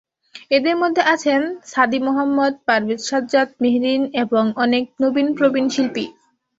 এঁদের মধ্যে আছেন সাদি মহম্মদ, পারভেজ সাজ্জাদ, মেহরীন এবং অনেক নবীন-প্রবীণ শিল্পী।